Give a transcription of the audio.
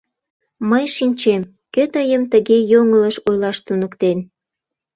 Мый шинчем, кӧ тыйым тыге йоҥылыш ойлаш туныктен.